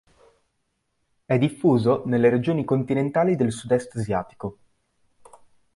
È diffuso nelle regioni continentali del Sud-est asiatico.